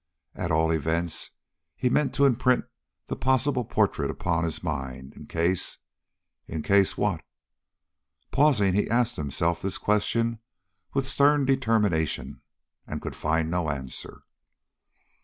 At all events, he meant to imprint the possible portrait upon his mind in case in case what? Pausing he asked himself this question with stern determination, and could find no answer.